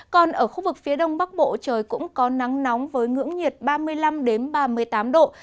còn ở khu vực phía đông bắc bộ trời cũng có nắng nóng với ngưỡng nhiệt ba mươi năm ba mươi tám độ